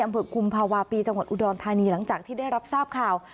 อำเภอคุมภาวะปีจังหวัดอุดรธานีหลังจากที่ได้รับทราบข่าว